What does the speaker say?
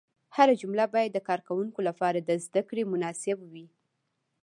هره جمله باید د کاروونکي لپاره د زده کړې مناسب وي.